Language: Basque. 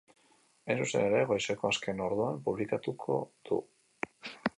Hain zuzen ere, goizeko azken orduan publikatuko du.